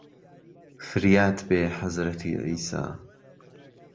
فريات بێ حهزرهتی عیسا